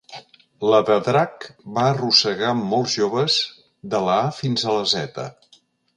La de drac va arrossegar molts joves de la a fins a la zeta.